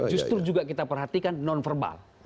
justru juga kita perhatikan non verbal